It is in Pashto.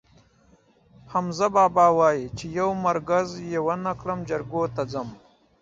حمزه بابا وایي: چې یو مرگز یې ونه کړم، جرګو ته ځم.